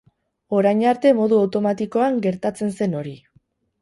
Orain arte modu automatikoan gertatzen zen hori.